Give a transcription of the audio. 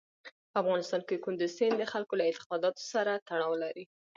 په افغانستان کې کندز سیند د خلکو له اعتقاداتو سره تړاو لري.